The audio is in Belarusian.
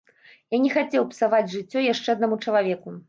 Я не хацеў псаваць жыццё яшчэ аднаму чалавеку.